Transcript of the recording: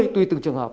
tùy từng trường hợp